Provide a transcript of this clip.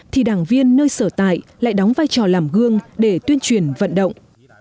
thì đảng viên nơi sở tại lại đóng vai trò làm gương để tuyên truyền vận động